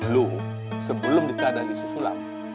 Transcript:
lu sebelum dikeadaan di si sulam